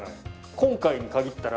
今回に限ったら。